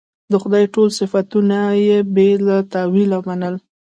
د خدای ټول صفتونه یې بې له تأویله منل.